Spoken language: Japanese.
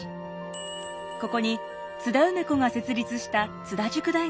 ここに津田梅子が設立した津田塾大学があります。